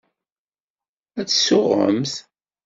Ad tsuɣemt.